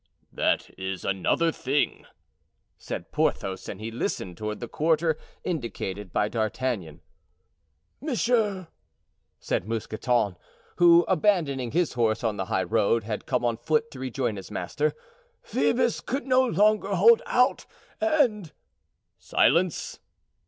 "That is another thing," said Porthos; and he listened toward the quarter indicated by D'Artagnan. "Monsieur," said Mousqueton, who, abandoning his horse on the high road, had come on foot to rejoin his master, "Phoebus could no longer hold out and——" "Silence!"